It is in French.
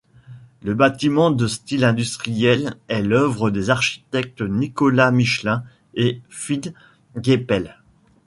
Le bâtiment de style industriel est l’œuvre des architectes Nicolas Michelin et Finn Geipel.